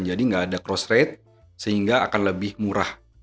jadi nggak ada cross rate sehingga akan lebih murah